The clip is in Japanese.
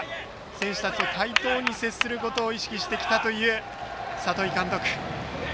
選手たちと対等に接することを意識してきたという里井監督です。